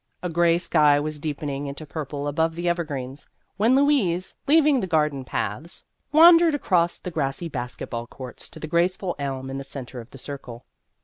A gray sky was deepening into purple above the evergreens, when Louise, leaving the garden paths, wan dered across the grassy basket ball courts to the graceful elm in the centre of the Circle.